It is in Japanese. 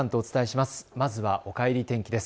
まずはおかえり天気です。